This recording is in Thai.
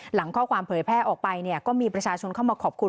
หลังข้อความเผยแพร่ออกไปเนี่ยก็มีประชาชนเข้ามาขอบคุณ